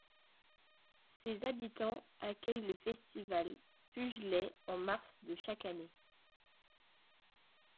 Ses habitants accueillent le festival Pujllay en mars de chaque année.